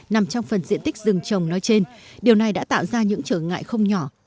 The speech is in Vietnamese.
nằm trong phần diện tích rừng trồng nói trên điều này đã tạo ra những trở ngại không nhỏ